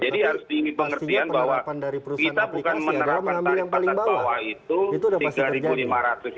jadi harus ingin pengertian bahwa kita bukan menerapkan tarif batas bawah itu rp tiga lima ratus